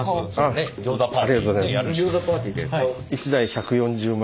ありがとうございます。